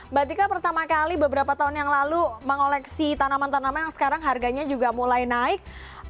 mbak tika pertama kali beberapa tahun yang lalu mengoleksi tanaman tanaman yang sekarang harganya juga mulai naik